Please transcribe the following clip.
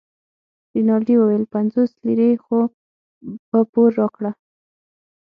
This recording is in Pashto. رینالډي وویل پنځوس لیرې خو په پور راکړه.